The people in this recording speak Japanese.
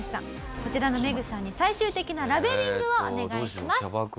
こちらのメグさんに最終的なラベリングをお願いします。